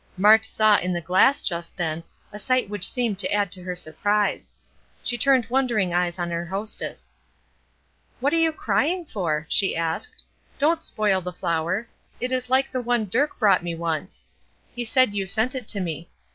Mart saw in the glass just then a sight which seemed to add to her surprise. She turned wondering eyes on her hostess. "What are you crying for?" she asked. "Don't spoil the flower; it is like the one Dirk bought me once. He said you sent it to me.